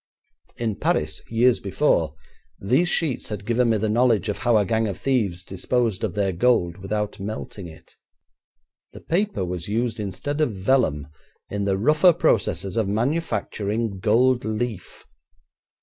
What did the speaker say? In Paris, years before, these sheets had given me the knowledge of how a gang of thieves disposed of their gold without melting it. The paper was used instead of vellum in the rougher processes of manufacturing gold leaf.